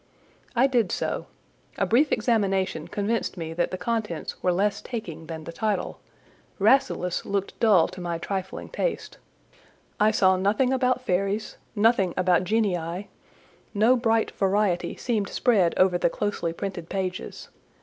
I did so; a brief examination convinced me that the contents were less taking than the title: "Rasselas" looked dull to my trifling taste; I saw nothing about fairies, nothing about genii; no bright variety seemed spread over the closely printed pages.